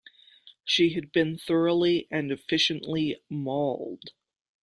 She had been thoroughly and efficiently mauled.